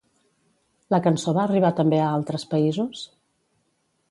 La cançó va arribar també a altres països?